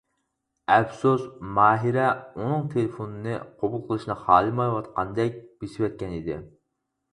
ئەپسۇس، ماھىرە ئۇنىڭ تېلېفونىنى قوبۇل قىلىشنى خالىمايۋاتقاندەك بېسىۋەتكەن ئىدى.